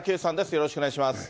よろしくお願いします。